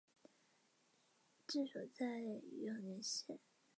治所在永年县。